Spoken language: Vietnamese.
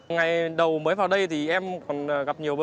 ngày đầu mới vào đây thì em còn gặp nhiều